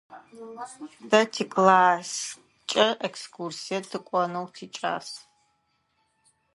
Тэ тикласскӏэ экскурсие тыкӏонэу тикӏас.